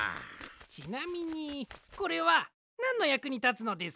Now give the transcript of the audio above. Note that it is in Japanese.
ちなみにこれはなんのやくにたつのですか？